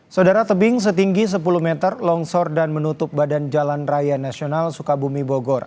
saudara tebing setinggi sepuluh meter longsor dan menutup badan jalan raya nasional sukabumi bogor